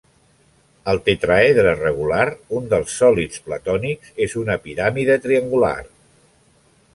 El tetraedre regular, un dels sòlids platònics, és una piràmide triangular.